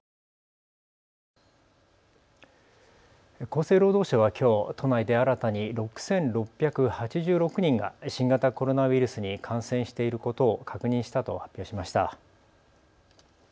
厚生労働省はきょう都内で新たに６６８６人が新型コロナウイルスに感染していることを確認したと発表しました。